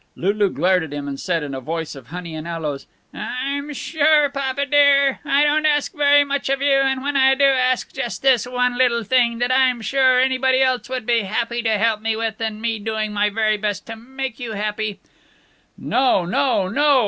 Lulu glared at him and said, in a voice of honey and aloes, "I'm sure, papa dear, I don't ask very much of you, and when I do ask just this one little thing that I'm sure anybody else would be glad to help me with and me doing my very best to make you happy " No! No, no!